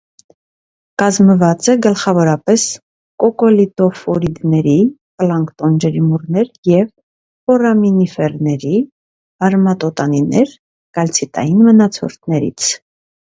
Կազմված է, գլխավորապես, կոկոլիտոֆորիդների (պլանկտոն ջրիմուռներ) և ֆորամինիֆերների (արմատոտանիներ) կալցիտային մնացորդներից։